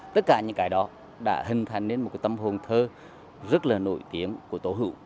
tất cả những cái đó đã hình thành nên một cái tâm hồn thơ rất là nổi tiếng của tổ hữu